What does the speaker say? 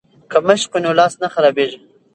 که مشق وي نو لاس نه خرابیږي.